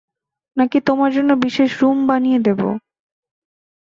নাকি তোমার জন্য বিশেষ রুম বানিয়ে দেব?